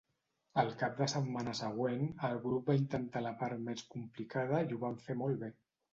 El cap de setmana següent, el grup va intentar la part més complicada i ho van fer molt bé.